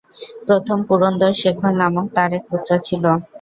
প্রথম পুরন্দর শেখর নামক তার এক পুত্র ছিল।